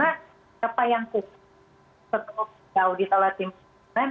karena siapa yang sudah di audit oleh tim